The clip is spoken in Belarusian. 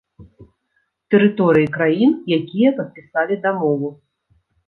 Тэрыторыі краін, якія падпісалі дамову.